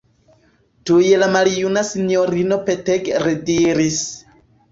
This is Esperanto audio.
Tuj la maljuna sinjorino petege rediris: